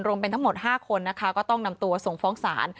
รวมเป็นทั้งหมด๕คนนะคะก็ต้องนำตัวส่งฟ้องศาล